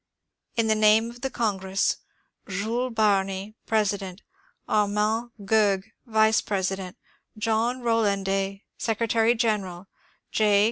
In the name of the Congress : Jules Barni, president ; Armand Goegg, vice presi dent ; John RoUanday, secretary general ; J.